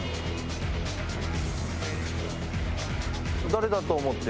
「誰だと思って」？